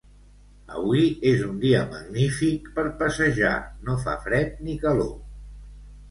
Avui és un dia magnífic per passejar, no fa fred ni calor.